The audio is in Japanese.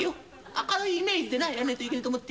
明るいイメージでなやんねえといけねえと思って。